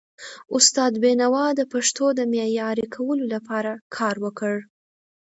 استاد بینوا د پښتو د معیاري کولو لپاره کار وکړ.